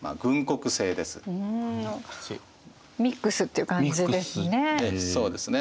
ミックスっていう感じですね。